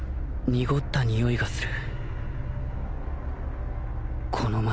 濁ったにおいがする